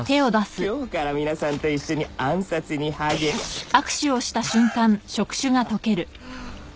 今日から皆さんと一緒に暗殺に励ハハッ！